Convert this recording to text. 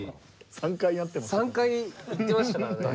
３回言ってましたからね。